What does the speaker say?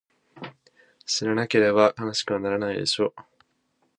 知らなければ悲しくはならないでしょ？